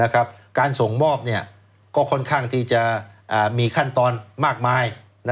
การส่งมอบก็ค่อนข้างที่จะมีขั้นตอนมากมาย